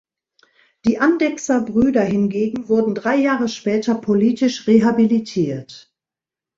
Die Andechser Brüder hingegen wurden drei Jahre später politisch rehabilitiert.